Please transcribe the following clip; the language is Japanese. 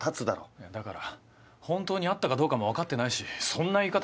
いやだから本当にあったかどうかも分かってないしそんな言い方。